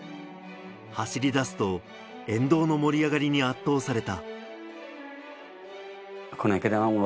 走り出すと、沿道の盛り上がりに圧倒された。